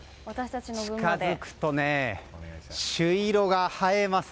近づくと、朱色が映えます。